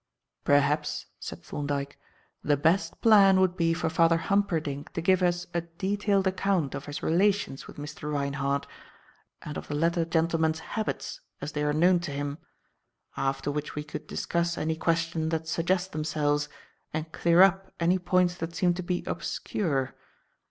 "Perhaps," said Thorndyke, "the best plan would be for Father Humperdinck to give us a detailed account of his relations with Mr. Reinhardt and of the latter gentleman's habits as they are known to him; after which we could discuss any questions that suggest themselves and clear up any points that seem to be obscure.